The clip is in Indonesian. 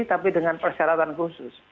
tapi dengan persyaratan khusus